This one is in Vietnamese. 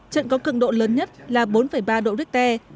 trận có cường độ lớn nhất là bốn ba độ richter